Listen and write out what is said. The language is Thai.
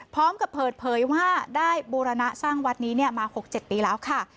พร้อมกับเปิดเผยว่าได้บูรณะสร้างวัดนี้มา๖๗ปีแล้วค่ะ